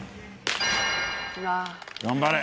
頑張れ。